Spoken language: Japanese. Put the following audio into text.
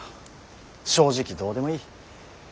正直どうでもいい。